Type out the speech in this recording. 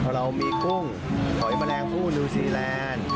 เรามีกุ้งหอยแมลงผู้นิวซีแลนด์